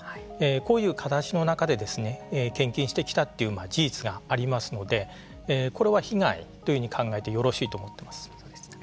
こういう中で献金してきたという事実がありますのでこれは被害というふうに考えてよろしいと思ってます。